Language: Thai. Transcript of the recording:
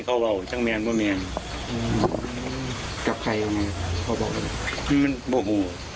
กับใครอย่างนั้นเขาบอกอย่างนั้น